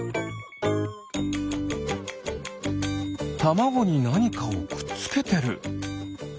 たまごになにかをくっつけてる。